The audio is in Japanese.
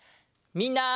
みんな！